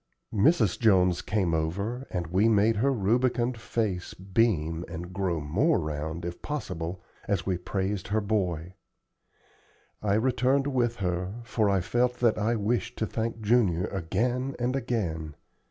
Mrs. Jones came over, and we made her rubicund face beam and grow more round, if possible, as we all praised her boy. I returned with her, for I felt that I wished to thank Junior again and again.